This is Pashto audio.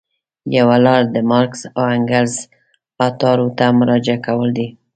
یوه لاره د مارکس او انګلز اثارو ته مراجعه کول دي.